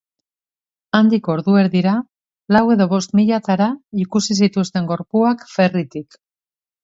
Handik ordu erdira, lau edo bost miliatara ikusi zituzten gorpuak ferrytik.